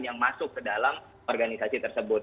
yang masuk ke dalam organisasi tersebut